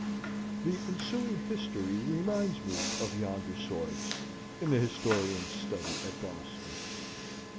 The ensuing history reminds me of yonder swords in the historian's study at Boston.